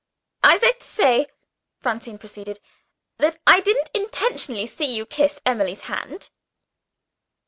"I beg to say," Francine proceeded, "that I didn't intentionally see you kiss Emily's hand."